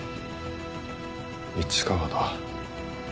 市川だ。